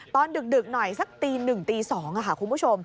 ตอนดึกหน่อยสักตีหนึ่งตีสองคุณผู้ชม